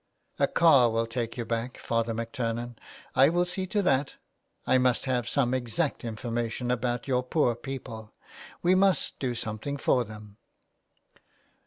''A car will take you back, Father MacTurnan. I will see to that. I must have some exact information about your poor people. We must do something for them."